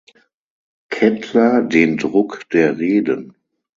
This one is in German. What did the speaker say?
Kettler den Druck der Reden.